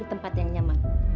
di tempat yang nyaman